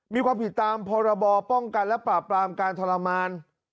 มีความผิดตามพรบป้องกันและปราบปรามการทรมาน